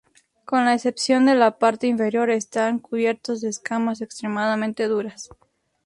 Con la excepción de la parte inferior, están cubiertos de escamas extremadamente duras.